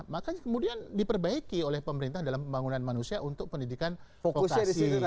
makanya kemudian diperbaiki oleh pemerintah dalam pembangunan manusia untuk pendidikan vokasi